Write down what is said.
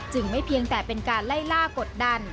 ไม่เพียงแต่เป็นการไล่ล่ากดดัน